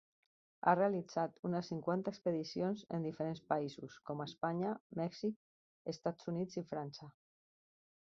Ha realitzat unes cinquanta exposicions en diferents països, com Espanya, Mèxic, Estats Units i França.